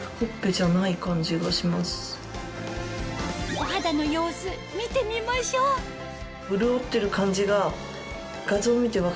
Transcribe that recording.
お肌の様子見てみましょう水分量は？